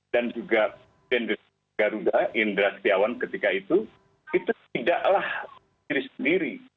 dan juga dendri garuda indra setiawan ketika itu itu tidaklah diri sendiri